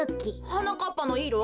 はなかっぱのいろ？